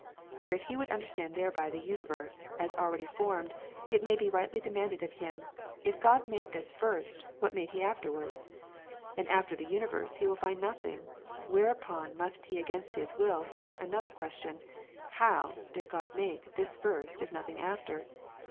For if he would understand thereby the universe, as already formed, it may be rightly demanded of him, " If God made this first, what made He afterwards?" and after the universe, he will find nothing ; whereupon must he against his will hear another question ;" How [did God make] this first, if nothing after